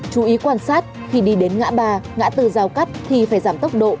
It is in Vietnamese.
chú ý quan sát khi đi đến ngã ba ngã từ giao cắt thì phải giảm tốc độ